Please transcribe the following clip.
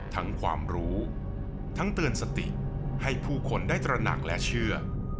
ความรู้ทั้งเตือนสติให้ผู้คนได้ตระหนักและเชื่อ